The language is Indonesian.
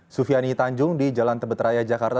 sufiani tanjung di jalan tebetraya jakarta